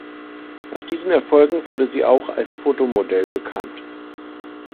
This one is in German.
Nach diesen Erfolgen wurde sie auch als Fotomodell bekannt.